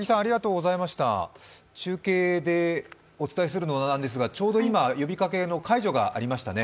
中継でお伝えするのも何ですがちょうど今、呼びかけの解除がありましたね。